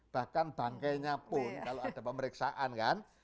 bahkan bangkainya pun kalau ada pemeriksaan kan